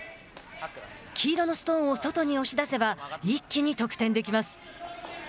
黄色のストーンを外に押し出せば一気に得点できます。